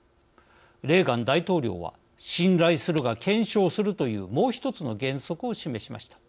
レーガン大統領は「信頼するが検証する」というもう１つの原則を示しました。